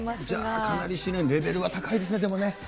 じゃあかなりレベルが高いですね、でもね。